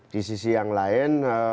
di sisi yang lain